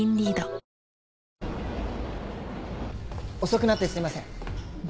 遅くなってすいません。